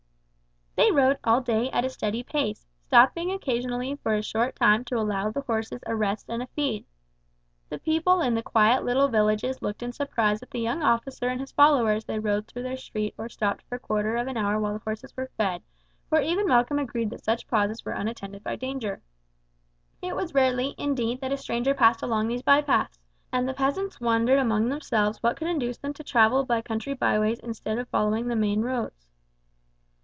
They rode all day at a steady pace, stopping occasionally for a short time to allow the horses a rest and a feed. The people in the quiet little villages looked in surprise at the young officer and his follower as they rode through their street or stopped for a quarter of an hour while the horses were fed, for even Malcolm agreed that such pauses were unattended by danger. It was rarely, indeed, that a stranger passed along these bypaths, and the peasants wondered among themselves what could induce them to travel by country byways instead of following the main roads.